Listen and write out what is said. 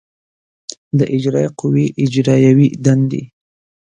د اجرایه قوې اجرایوې دندې